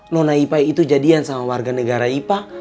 nona ipa itu jadian sama warga negara ipa